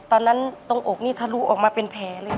ตอนนั้นตรงอกนี่ทะลุออกมาเป็นแผลเลย